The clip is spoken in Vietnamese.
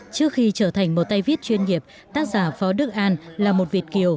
trước khi trở thành một tay viết chuyên nghiệp tác giả phó đức an là một việt kiều